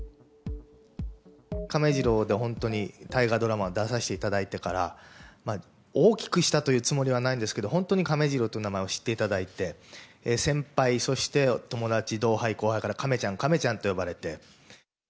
亀治郎で本当に大河ドラマ、出させていただいてから、大きくしたというつもりはないんですけど、本当に亀治郎という名前を知っていただいて、先輩、そして友達、同輩、後輩から亀ちゃん、亀ちゃんって呼ばれて。